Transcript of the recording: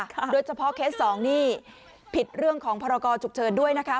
โดยเฉพาะเคสสองนี่ผิดเรื่องของพรกรฉุกเฉินด้วยนะคะ